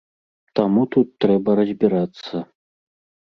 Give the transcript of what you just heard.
Таму тут трэба разбірацца.